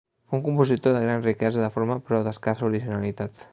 Fou un compositor de gran riquesa de forma, però d'escassa originalitat.